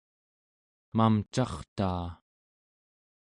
mamcartaa